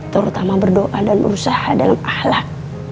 terutama berdoa dan berusaha dalam ahlak